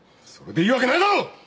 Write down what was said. それでいいわけないだろ！